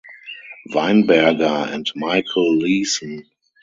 Weinberger and Michael Leeson.